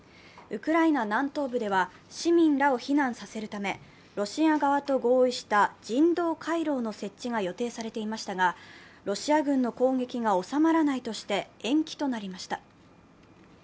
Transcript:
ウクライナ南東部では市民らを避難させるためロシア側と合意した人道回廊の設置が予定されていましたが、ロシア軍の攻撃が収まらないとして延期となりました。